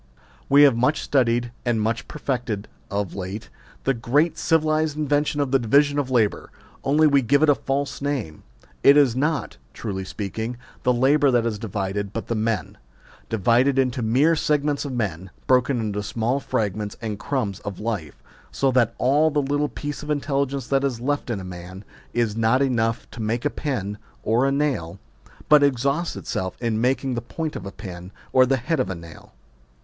We have much studied and much perfected, of late, the great civilised invention of the division of labour ; only we give it a false name. It is not, truly speaking, the labour that is divided, but the men : Divided into mere segments of men broken into small fragments and crumbs of life ; so that all the little piece of intelligence that is left in a man is not enough 21 to make a pin or a nail, but exhausts itself in making the point of a pin or the head of a nail.